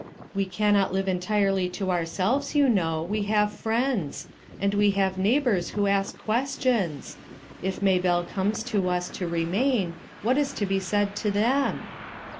We cannot live entirely to ourselves, you know, we have friends; and we have neigh bors who ask questions. If Maybelle comes to us, to remain, what is to be said to them?